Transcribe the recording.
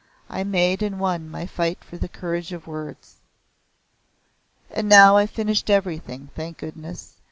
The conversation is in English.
I made and won my fight for the courage of words. "And now I've finished everything thank goodness!